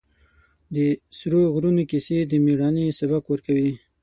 د سرو غرونو کیسې د مېړانې سبق ورکوي.